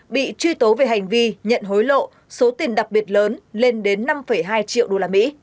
bị truy tố về hành vi nhận hối lộ số tiền đặc biệt lớn lên đến năm hai triệu usd